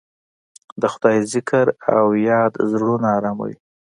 د خدای ذکر او یاد زړونه اراموي.